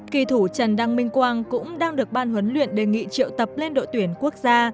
kỳ thủ trần đăng minh quang cũng đang được ban huấn luyện đề nghị triệu tập lên đội tuyển quốc gia